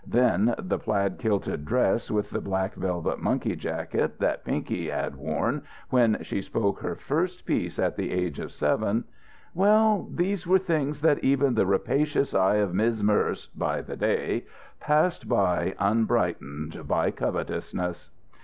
Then the plaid kilted dress with the black velvet monkey jacket that Pinky had worn when she spoke her first piece at the age of seven well, these were things that even the rapacious eye of Miz' Merz (by the day) passed by unbrightened by covetousness.